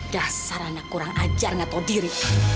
dasar anak kurang ajar gak tau diri